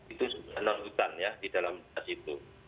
itu non hutan ya di dalam das itu